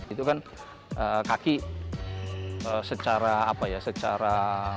itu kan kaki secara apa ya secara